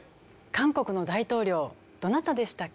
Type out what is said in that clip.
韓国の大統領どなたでしたっけ？